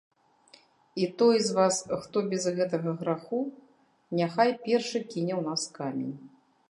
І той з вас, хто без гэтага граху, няхай першы кіне ў нас камень.